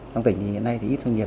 trong tỉnh hiện nay ít doanh nghiệp